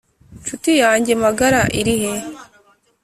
nshuti yanjye magara irihe?